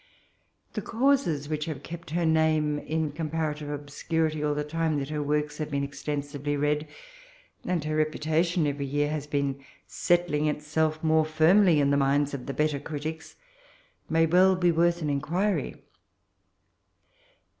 The causes which have kept her name in comparative obscurity all the time that her works have been extensively read, and her reputation every year has been settling itself more firmly in the minds of the better critics, may well be worth an inquiry.